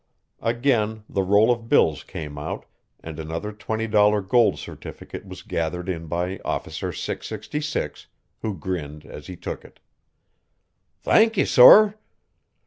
Again the roll of bills came out and another $20 gold certificate was gathered in by Officer 666, who grinned as he took it. "Thank ye, sorr!"